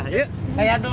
yuk saya dulu